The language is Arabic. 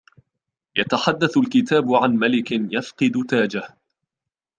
.يتحدث الكتاب عن ملك يفقد تاجه